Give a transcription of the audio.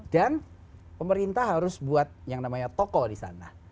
dan pemerintah harus buat yang namanya toko di sana